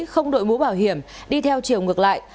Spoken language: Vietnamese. không đội mũ bảo hiểm đi theo chiều ngược lại